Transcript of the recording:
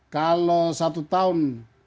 kalau satu tahun